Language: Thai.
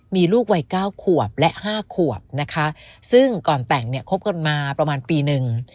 มีลูกวัยเก้าขวบและ๕ขวบนะคะซึ่งก่อนแต่งเนี่ยคบกันมาประมาณปีหนึ่ง